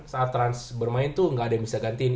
saat trans bermain tuh gak ada yang bisa gantiin